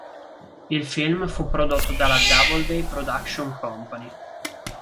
Il film fu prodotto dalla Doubleday Production Company.